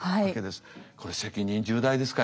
これ責任重大ですか？